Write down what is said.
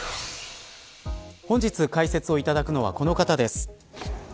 本日解説をいただくのはこの方です。